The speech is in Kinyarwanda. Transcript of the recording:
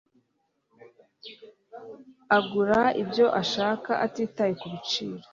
Agura ibyo ashaka atitaye kubiciro.